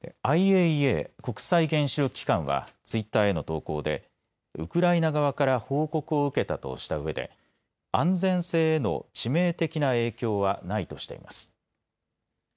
ＩＡＥＡ、国際原子力機関はツイッターへの投稿でウクライナ側から報告を受けたとしたうえで安全性への致命的な影響はないとしています。